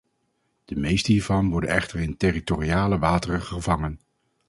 De meeste hiervan worden echter in territoriale wateren gevangen.